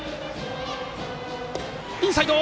インサイド！